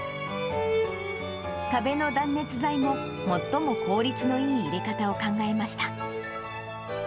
壁の断熱材も、最も効率のいい入れ方を考えました。